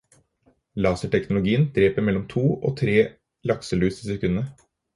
Laserteknologien dreper mellom to og tre lakselus i sekundet.